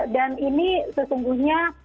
dan ini sesungguhnya